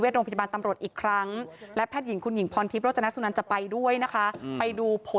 แล้วก็ไม่พบว่ามีการฟันหัดตามที่เป็นข่าวทางโซเชียลก็ไม่พบ